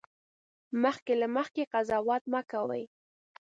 مخکې له مخکې قضاوت مه کوئ